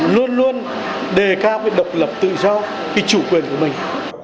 luôn luôn đề cao với độc lập tự do chủ quyền của mình